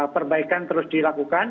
perbaikan terus dilakukan